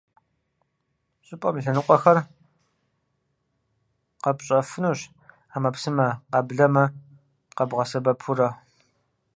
ЩӀыпӀэм и лъэныкъуэхэр къэпщӀэфынущ Ӏэмэпсымэ — къэблэмэ къэбгъэсэбэпурэ.